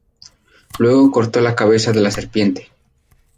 Luego cortó la cabeza de la serpiente.